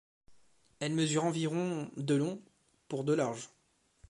Elle mesure environ de long pour de large.